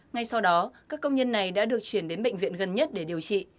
ngay sau đó các công nhân này đã được chuyển đến bệnh viện gần nhất để điều trị